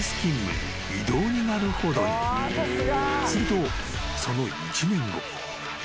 ［するとその１年後］